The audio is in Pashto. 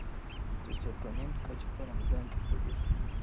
د سیرټونین کچه په رمضان کې لوړېږي.